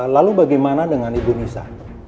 lalu bagaimana dengan ibu nisa